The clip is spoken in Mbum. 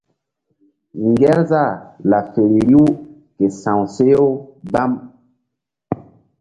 Ŋgerzah laɓ feri riw ke sa̧w she u mbam.